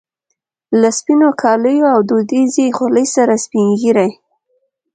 له سپینو کاليو او دودیزې خولۍ سره سپینږیری.